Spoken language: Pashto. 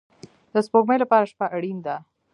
د سپوږمۍ لپاره شپه اړین ده